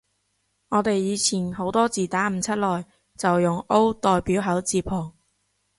我哋以前好多字打唔出來，就用 O 代表口字旁